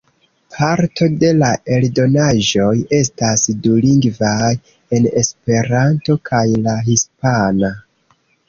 Parto de la eldonaĵoj estas dulingvaj, en Esperanto kaj la hispana.